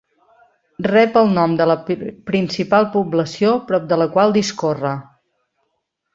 Rep el nom de la principal població prop de la qual discorre.